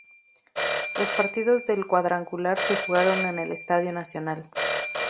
Los partidos del cuadrangular se jugaron en el Estadio Nacional.